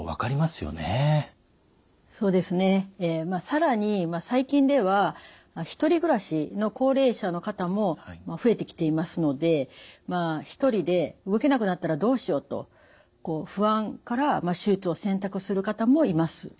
更に最近では独り暮らしの高齢者の方も増えてきていますので一人で動けなくなったらどうしようと不安から手術を選択する方もいます。